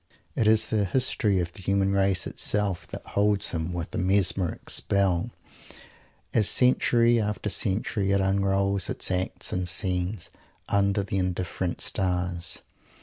It is the history of the human race itself that holds him with a mesmeric spell, as century after century it unrolls its acts and scenes, under the indifferent stars.